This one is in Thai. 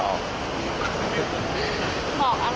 หวังครับ